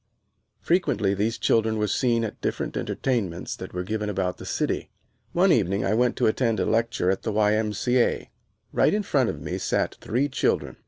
Frequently these children were seen at different entertainments that were given about the city. One evening I went to attend a lecture in the Y.M.C.A. Right in front of me sat three children.